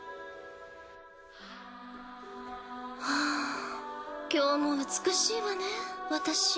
はぁ今日も美しいわね私。